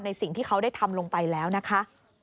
สิ่งที่เขาได้ทำลงไปแล้วนะคะ